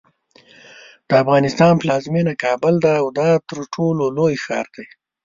د افغانستان پلازمینه کابل ده او دا ترټولو لوی ښار دی.